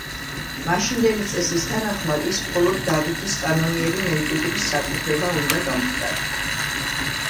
მაშინდელი წესის თანახმად, ის მხოლოდ დავითის კანონიერი მემკვიდრის საკუთრება უნდა გამხდარიყო.